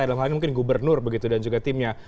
yang lain lain mungkin gubernur dan juga timnya